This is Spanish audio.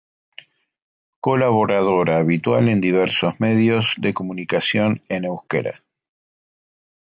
Colaboradora habitual en diversos medios de comunicación en euskera.